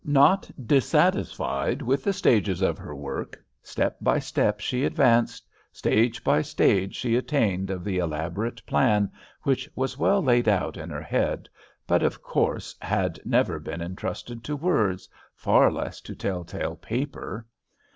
Not dissatisfied with the stages of her work, step by step she advanced, stage by stage she attained of the elaborate plan which was well laid out in her head, but, of course, had never been intrusted to words, far less to tell tale paper.